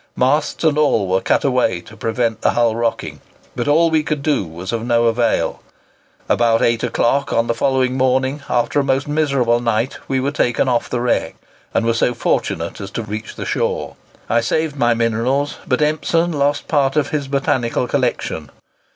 Masts and all were cut away to prevent the hull rocking; but all we could do was of no avail. About 8 o'clock on the following morning, after a most miserable night, we were taken off the wreck, and were so fortunate as to reach the shore. I saved my minerals, but Empson lost part of his botanical collection.